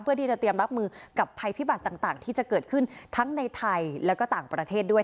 เพื่อที่จะเตรียมรับมือกับภัยพิบัติต่างที่จะเกิดขึ้นทั้งในไทยแล้วก็ต่างประเทศด้วย